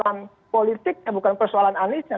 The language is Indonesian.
karena politik bukan persoalan anis nya